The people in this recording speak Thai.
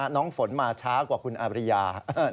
น้องฝนมาช้ากว่าคุณอาบริยา